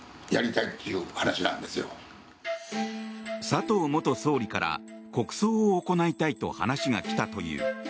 佐藤元総理から国葬を行いたいと話が来たという。